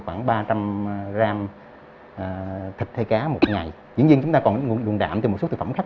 khoảng ba trăm linh gram thịt thê cá một ngày dĩ nhiên chúng ta còn nguồn đạm từ một số thực phẩm khách